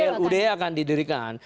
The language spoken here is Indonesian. blud akan didirikan